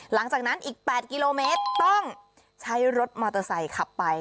หลังจากนั้นอีก๘กิโลเมตรต้องใช้รถมอเตอร์ไซค์ขับไป